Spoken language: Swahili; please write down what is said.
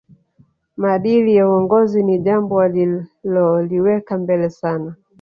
Maadili ya uongozi ni jambo aliloliweka mbele sana